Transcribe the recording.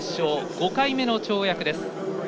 ５回目の跳躍です。